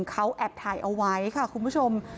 เขาแอบถ่ายเอาไว้ค่ะคุณผู้ชม